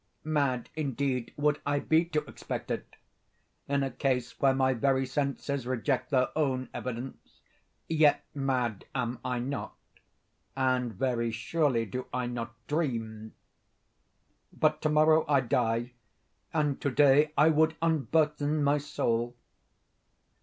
Mad indeed would I be to expect it, in a case where my very senses reject their own evidence. Yet, mad am I not—and very surely do I not dream. But to morrow I die, and to day I would unburthen my soul.